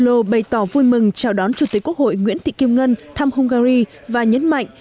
thủ đô bày tỏ vui mừng chào đón chủ tịch quốc hội nguyễn thị kim ngân thăm hungary và nhấn mạnh